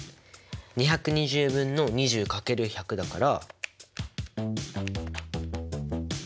２２０分の２０×１００だから。